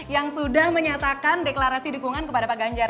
yang sudah menyatakan deklarasi dukungan kepada pak ganjar